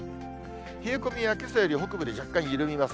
冷え込みはけさより北部で若干緩みます。